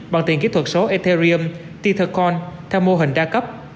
bằng tiền kỹ thuật số ethereum tethercoin theo mô hình đa cấp